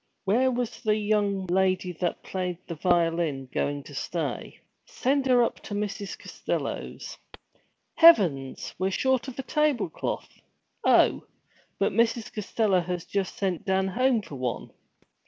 Where was the young lady that played the violin going to stay? Send her up to Mrs. Costello's. Heavens! We were short a tablecloth! Oh, but Mrs. Costello had just sent Dan home for one.